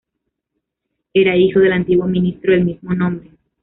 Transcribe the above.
Era hijo del antiguo ministro del mismo nombre.